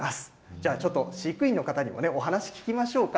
じゃあちょっと、飼育員の方にも、お話聞きましょうか。